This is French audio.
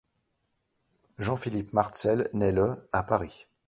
Jean-Philippe Martzel naît le à Paris.